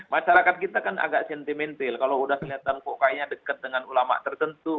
masyarakat kita kan agak sentimental kalau udah kelihatan kok kayaknya dekat dengan ulama tertentu